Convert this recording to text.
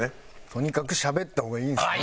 とにかくしゃべった方がいいんですね。